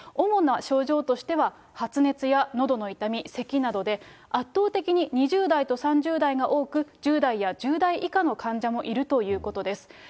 主な症状としては、発熱やのどの痛み、せきなどで、圧倒的に２０代と３０代が多く、１０代や１０代以下の患者もいるということです。